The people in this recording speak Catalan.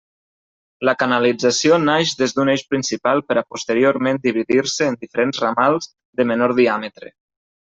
La canalització naix des d'un eix principal per a posteriorment dividir-se en diferents ramals de menor diàmetre.